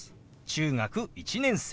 「中学１年生」。